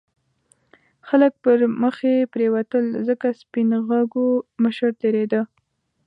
خلک پرمخې پرېوتل ځکه سپین غوږو مشر تېرېده.